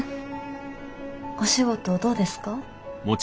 お仕事どうですか？